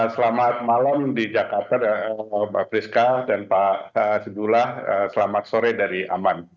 selamat malam di jakarta mbak priska dan pak sidullah selamat sore dari aman